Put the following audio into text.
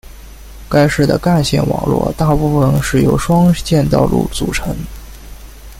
该市的干线网络大部分是由双线道路组成。